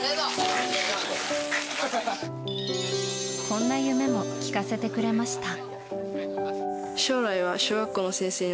こんな夢も聞かせてくれました。